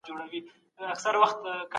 کيفي شاخصونه بايد په نظر کي ونيول سي.